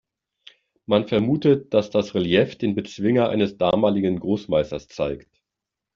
Man vermutet, dass das Relief den Bezwinger eines damaligen Großmeisters zeigt.